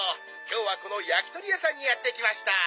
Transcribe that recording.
今日はこの焼き鳥屋さんにやって来ました」